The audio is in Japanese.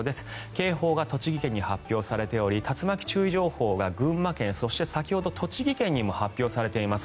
警報が栃木県に発表されており竜巻注意情報が群馬県そして先ほど栃木県にも発表されています。